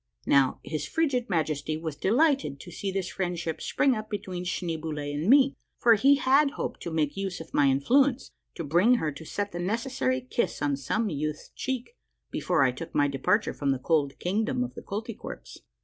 Now, his frigid Majesty was delighted to see this friendship A MARVELLOUS UNDERGROUND JOURNEY 165 spring up between Schneeboule and me, for he hoped to make use of my influence to bring her to set the necessary kiss on some youth's cheek before I took my departure from the cold Kingdom of the Koltykwerps.